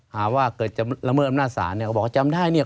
หาว่าเกิดจะละเมิดอำนาจศาลเนี่ยก็บอกว่าจำได้เนี่ย